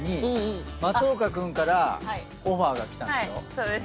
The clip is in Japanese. そうです。